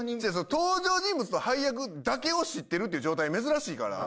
登場人物と配役だけを知ってるっていう状態、珍しいから。